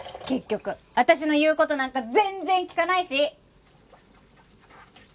結局私の言う事なんか全然聞かないし！